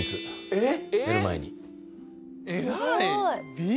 えっ！？